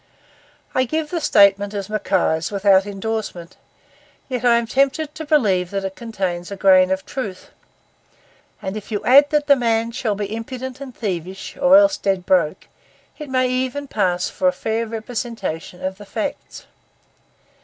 I give the statement as Mackay's, without endorsement; yet I am tempted to believe that it contains a grain of truth; and if you add that the man shall be impudent and thievish, or else dead broke, it may even pass for a fair representation of the facts.